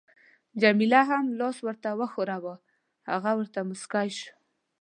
جميله هم لاس ورته وښوراوه، هغه ورته مسکی شو.